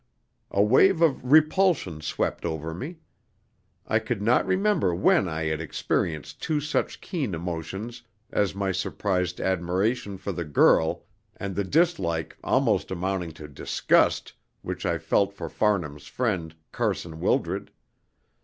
A wave of repulsion swept over me. I could not remember when I had experienced two such keen emotions as my surprised admiration for the girl, and the dislike, almost amounting to disgust, which I felt for Farnham's friend, Carson Wildred.